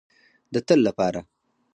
د تل لپاره.